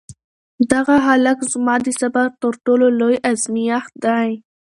دغه هلک زما د صبر تر ټولو لوی ازمېښت دی.